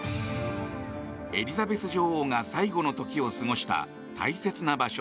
エリザベス女王が最期の時を過ごした大切な場所